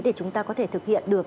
để chúng ta có thể thực hiện được